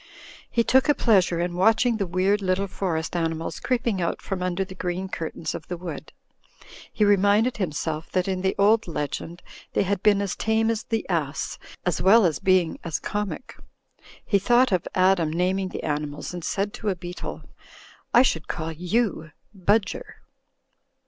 He took a pleasure in watching the weird little forest animals creeping out from under the green cur tains of the wood. He reminded himself that in the old legend they had been as tame as the ass, as well as being as comic. He thought of Adam naming the animals, and said to a beetle, "I should call you Bud ger.